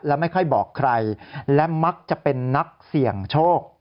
และไม่ค่อยบอกใครและมักจะเป็นนักเสี่ยงโชค